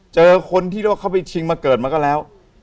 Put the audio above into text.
เจอคนที่เขาไปทิ้งมาเกิดมาก็แล้ว